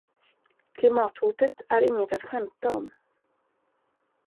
Klimathotet är inget att skämta om.